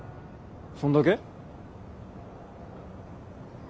そんだけ？